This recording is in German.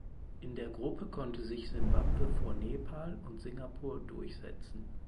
In der Gruppe konnte sich Simbabwe vor Nepal und Singapur durchsetzen.